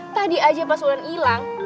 tadi aja pas wulan ilang